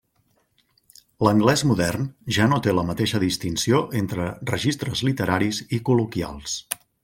L'anglès modern ja no té la mateixa distinció entre registres literaris i col·loquials.